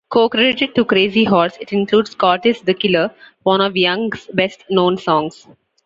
Co-credited to Crazy Horse, it includes "Cortez the Killer," one of Young's best-known songs.